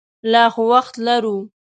لا خو وخت لرو.